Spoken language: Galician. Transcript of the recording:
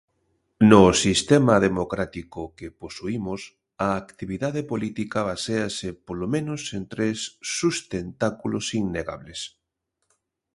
No sistema democrático que posuímos, a actividade política baséase polo menos en tres sustentáculos innegables.